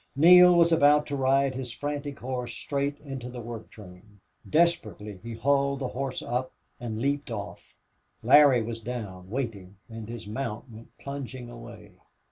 Neale was about to ride his frantic horse straight into the work train. Desperately he hauled the horse up and leaped off. Larry was down, waiting, and his mount went plunging away.